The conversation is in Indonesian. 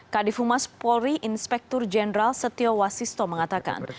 kadifumas polri inspektur jeneral setio wasisto mengatakan